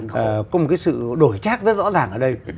có một cái sự đổi chác rất rõ ràng ở đây